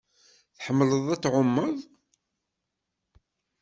Tḥemmleḍ ad tɛumeḍ?